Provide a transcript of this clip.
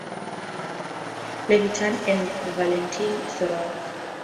Levitan, and Valentin Serov.